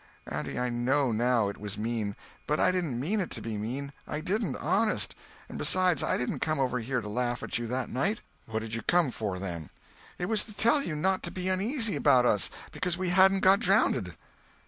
"Auntie, I know now it was mean, but I didn't mean to be mean. I didn't, honest. And besides, I didn't come over here to laugh at you that night." "What did you come for, then?" "It was to tell you not to be uneasy about us, because we hadn't got drownded."